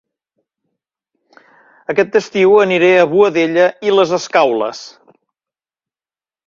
Aquest estiu aniré a Boadella i les Escaules